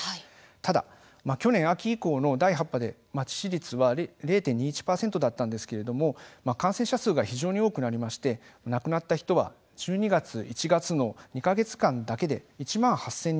ただ去年、秋以降の第８波で致死率は０．２１％だったんですけれども感染者数が非常に多くなりまして亡くなった人は１２月、１月の２か月間だけで１万８０００人以上。